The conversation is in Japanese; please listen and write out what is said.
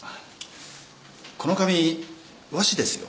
この紙和紙ですよ。